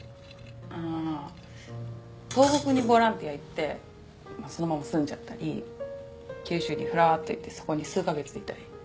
ああ東北にボランティア行ってそのまま住んじゃったり九州にふらっと行ってそこに数カ月いたり。